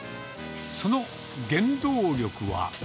その原動力は。